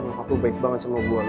nyokap lu baik banget sama gue